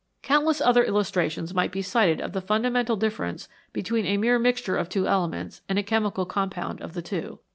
Countless other illustrations might be cited of the fundamental difference between a mere mixture of two elements and a chemical compound of the two.